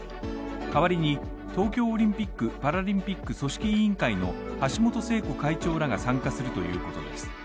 代わりに、東京オリンピックパラリンピック組織委員会の橋本聖子会長らが参加するということです。